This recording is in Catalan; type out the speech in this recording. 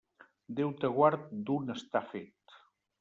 Déu te guard d'un està fet.